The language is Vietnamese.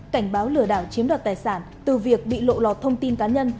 cảnh báo lừa đảo chiếm đoạt tài sản từ việc bị lộ lọt thông tin cá nhân